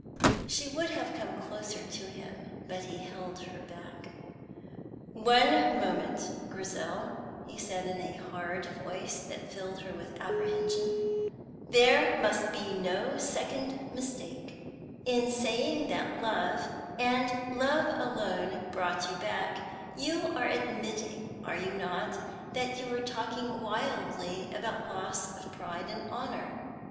She would have come closer to him, but he held her back. "One moment, Grizel," he said in a hard voice that filled her with apprehension. "There must be no second mistake. In saying that love, and love alone, brought you back, you are admitting, are you not, that you were talking wildly about loss of pride and honour?